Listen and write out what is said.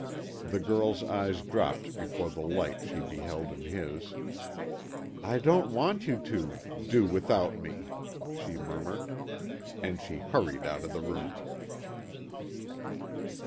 The girl's eyes dropped before the light she beheld in his. "I don't want you to do without me," she murmured. And she hurried out of the room.